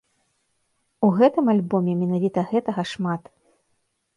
У гэтым альбоме менавіта гэтага шмат.